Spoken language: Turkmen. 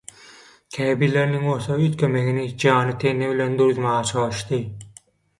käbirleriniň bolsa üýtgemegini jany teni bilen duruzmaga çalyşdy.